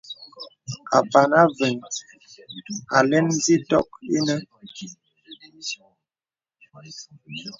Apàn Avə̄ŋ alɛ̄n zitok inə̀.